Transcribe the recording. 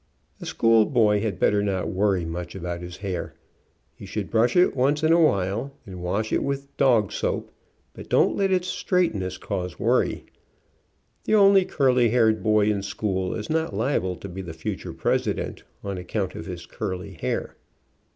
A school boy had better not worry much about his hair. He should brush it once in a while, and wash it with dog soap, but don't let its straightness cause worry. The only curly haired boy in school is not liable to be the future President, on account of his curly hair.